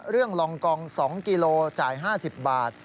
เรื่องลองกอง๒กิโลจ่าย๕๐บาท